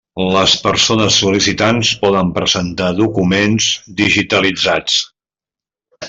Les persones sol·licitants poden presentar documents digitalitzats.